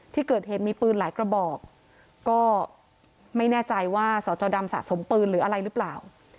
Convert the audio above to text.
ที่เกิดเหตุมีปืนหลายกระบอกก็ไม่แน่ใจว่าสจดำสะสมปืนหรืออะไรหรือเปล่า